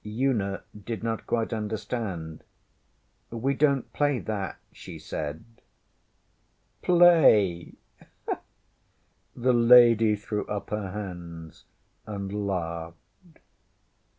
ŌĆÖ Una did not quite understand. ŌĆśWe donŌĆÖt play that, ŌĆÖ she said. ŌĆśPlay? ŌĆÖ The lady threw up her hands and laughed.